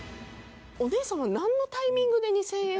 お姉様はなんのタイミングで２０００円を。